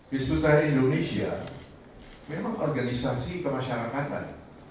hizbut tahrir indonesia memang organisasi kemasyarakatan